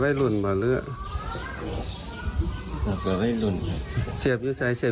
เสียบเนาะเสียบเสียบเทือนจากเม็ด